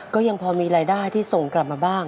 ก็ยังพอมีรายได้ที่ส่งกลับมาบ้าง